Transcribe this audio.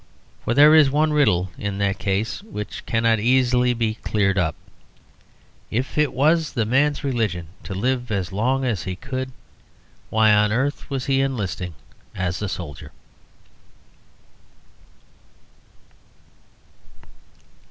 For there is one riddle in that case which cannot easily be cleared up. If it was the man's religion to live as long as he could, why on earth was he enlisting as a soldier?